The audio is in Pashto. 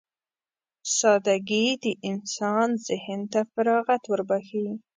سادهګي د انسان ذهن ته فراغت وربښي.